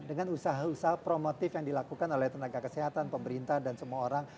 dengan usaha usaha promotif yang dilakukan oleh tenaga kesehatan pemerintah dan semua orang